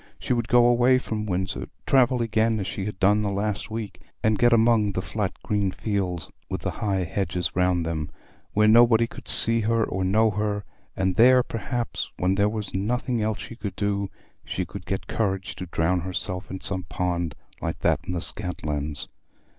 She would go away from Windsor—travel again as she had done the last week, and get among the flat green fields with the high hedges round them, where nobody could see her or know her; and there, perhaps, when there was nothing else she could do, she should get courage to drown herself in some pond like that in the Scantlands.